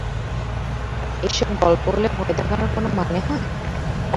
এইসব গল্প বলে ভয় দেখানোর কোনো মানে হয়?